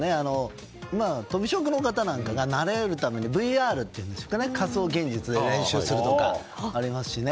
とび職の方なんかが慣れるためにＶＲ仮想現実で練習するとかありますしね。